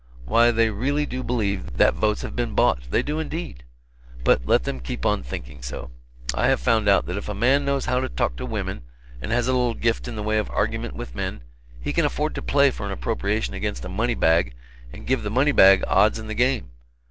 Why they really do believe that votes have been bought they do indeed. But let them keep on thinking so. I have found out that if a man knows how to talk to women, and has a little gift in the way of argument with men, he can afford to play for an appropriation against a money bag and give the money bag odds in the game.